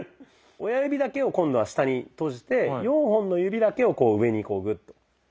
親指だけを今度は下に閉じて４本の指だけを上にこうグッと。